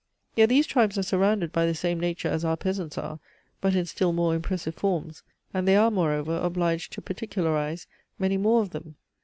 Yet these tribes are surrounded by the same nature as our peasants are; but in still more impressive forms; and they are, moreover, obliged to particularize many more of them.